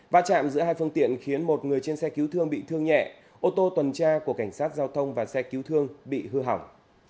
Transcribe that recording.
va chạm giữa hai phương tiện khiến một người trên xe cứu thương bị thương nhẹ ô tô tuần tra của cảnh sát giao thông và xe cứu thương bị hư hỏng